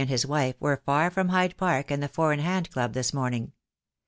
and his wife were far from Hyde Park and the Four in Hand Club this morning.